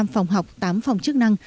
một mươi năm phòng học tám phòng chức năng